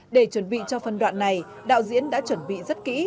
để chuẩn bị cho phân đoạn này đạo diễn đã chuẩn bị rất kỹ